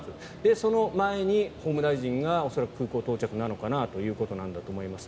その前に法務大臣が恐らく空港到着なのかなと思います。